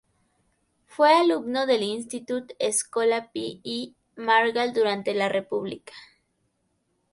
Fue alumno del Institut Escola Pi i Margall durante la República.